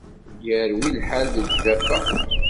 Yerwi lḥal deg ugafa.